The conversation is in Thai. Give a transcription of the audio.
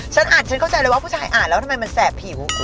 ฉันอ่านฉันเข้าใจเลยว่าผู้ชายอ่านแล้วทำไมมันแสบผิว